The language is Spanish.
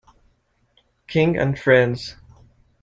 King and Friends.